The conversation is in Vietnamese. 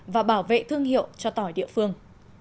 và bảo vệ thương hiệu cho tỏi địa phương